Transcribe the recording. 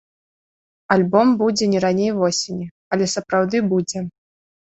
Альбом будзе не раней восені, але сапраўды будзе.